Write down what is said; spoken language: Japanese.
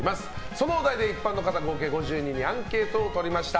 そのお題で、一般の方合計５０人にアンケートを取りました。